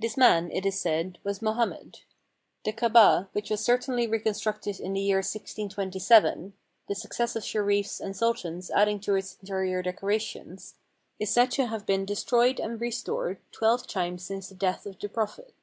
This man, it is said, was Mohammed. The Kabah, which was certainly recon structed in the year 1627, — the successive Sherifs and Sultans adding to its interior decorations, — is said to have been destroyed and restored twelve times since the death of the Prophet.